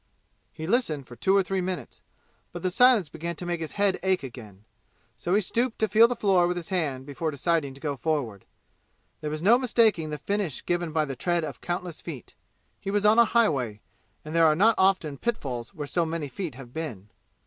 He listened for two or three minutes, but the silence began to make his head ache again; so he stooped to feel the floor with his hand before deciding to go forward. There was no mistaking the finish given by the tread of countless feet. He was on a highway, and there are not often pitfalls where so many feet have been.